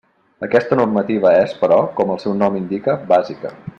Aquesta normativa és, però, com el seu mateix nom indica, bàsica.